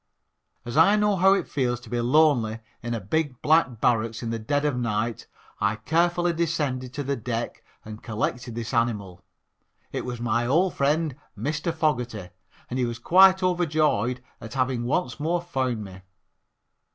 As I know how it feels to be lonely in a big black barracks in the dead of night I carefully descended to the deck and collected this animal it was my old friend, Mr. Fogerty, and he was quite overjoyed at having once more found me.